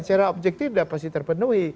secara objektif sudah pasti terpenuhi